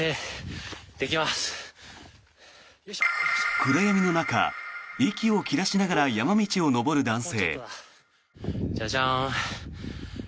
暗闇の中、息を切らせながら山道を上る男性。